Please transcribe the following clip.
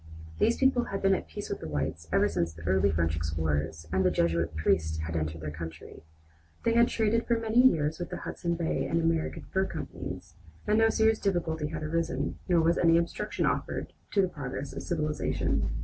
These people had been at peace with the whites ever since the early French explorers and the Jesuit priests had entered their country. They had traded for many years with the Hudson Bay and American Fur companies, and no serious difficulty had arisen, nor was any obstruction offered to the progress of civilization.